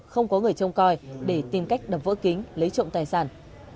không có người trông coi để tìm cách đập vỡ kính lấy trộm tài sản